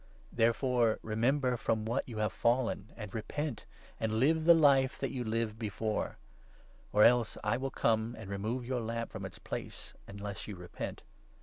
Therefore remember from what you have fallen, and 5 repent, and live the life that you lived before ; or else, I will come and remove your Lamp from its place, unless you repent.